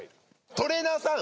トレーナーさん！